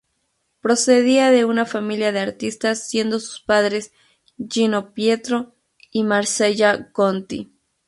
Procedía de una familia de artistas, siendo sus padres Gino Pietro y Marcella Conti.